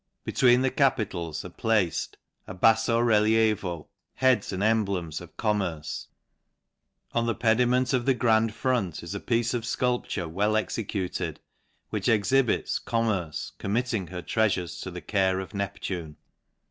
Between the capitals are placed, bafTo relievo, heads and emblems of Commerce', the pediment of the grand front is a piece of feu! ture well executed, which exhibits Commerce coi mining her treafures to the care of Neptune.